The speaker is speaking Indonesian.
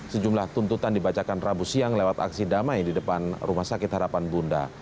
sejumlah tuntutan dibacakan rabu siang lewat aksi damai di depan rumah sakit harapan bunda